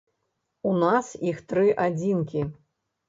У нас іх тры адзінкі.